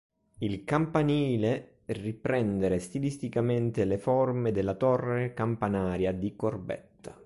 Il campanile riprendere stilisticamente le forme della torre campanaria di Corbetta.